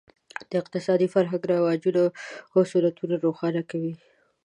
د اقتصادي فرهنګ رواجونه او سنتونه روښانه کوي.